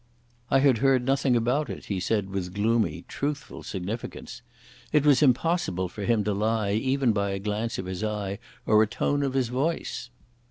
"I had heard nothing about it," he said with gloomy, truthful significance. It was impossible for him to lie even by a glance of his eye or a tone of his voice.